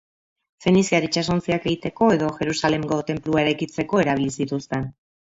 Feniziar itsasontziak egiteko edo Jerusalemgo tenplua eraikitzeko erabili zituzten.